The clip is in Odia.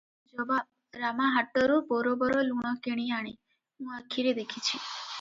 ଜବାବ - ରାମା ହାଟରୁ ବରୋବର ଲୁଣ କିଣି ଆଣେ, ମୁଁ ଆଖିରେ ଦେଖିଛି ।